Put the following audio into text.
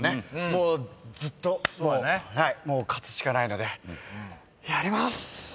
もうずっと勝つしかないのでやります。